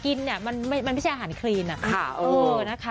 กินเนี่ยมันไม่มันไม่ใช่อาหารคลีนอ่ะค่ะเออนะคะ